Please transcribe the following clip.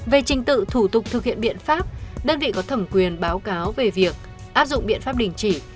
về trình tự thủ tục thực hiện biện pháp đơn vị có thẩm quyền báo cáo về việc áp dụng biện pháp đình chỉ